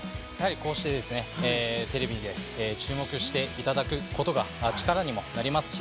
こうしてテレビで注目していただくことが力にもなりますし